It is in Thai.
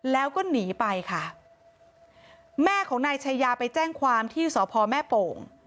แล้วก็หนีไปค่ะแม่ของนายชายาไปแจ้งความที่สพแม่โป่ง